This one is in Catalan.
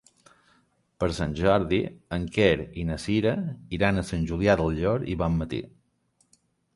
Per Sant Jordi en Quer i na Sira iran a Sant Julià del Llor i Bonmatí.